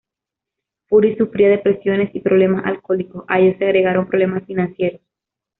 Fury sufría depresiones y problemas alcohólicos, a ello se agregaron problemas financieros.